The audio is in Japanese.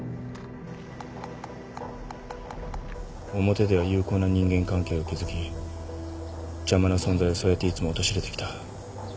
表では友好な人間関係を築き邪魔な存在をそうやっていつも陥れてきた。